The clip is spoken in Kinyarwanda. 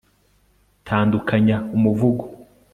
tandukanya umuvugo